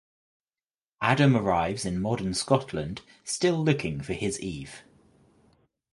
Adam arrives in modern Scotland still looking for his Eve.